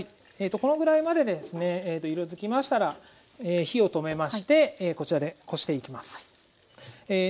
このぐらいまでですね色づきましたら火を止めましてこちらでこしていきます。